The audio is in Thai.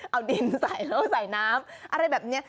เอาดินใส่แล้วก็ใส่น้ำอะไรแบบนี้